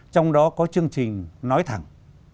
trong đó có chương trình nói thẳng